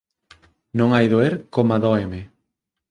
Non hai doer coma dóeme